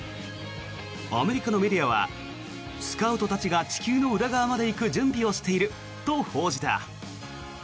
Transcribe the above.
アメリカのメディアはスカウトたちが地球の裏側まで行く準備をしていると報じた。